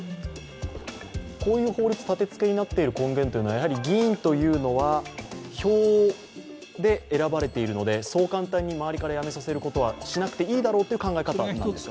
こういう法律、立てつけになっている根源というのは、議員というのは票で選ばれているのでそう簡単に周りから辞めさせることはしなくていいだろうという考え方ですか？